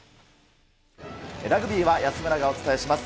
ラグビーは安村がお伝えします。